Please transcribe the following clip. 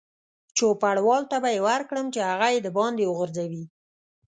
چوپړوال ته به یې ورکړم چې هغه یې دباندې وغورځوي.